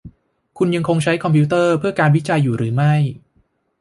คุณยังคงใช้คอมพิวเตอร์เพื่อการวิจัยอยู่หรือไม่ ?